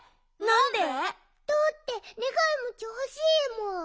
なんで？だってねがいモチほしいもん。